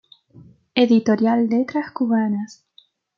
Editorial Letras Cubanas.